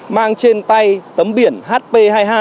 mang trên tay tấm biển hp hai mươi hai